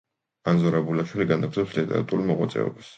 ანზორ აბულაშვილი განაგრძობს ლიტერატურულ მოღვაწეობას.